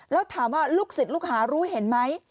แล้วถามว่าลูกศิษย์ลูกหารู้เห็นไหม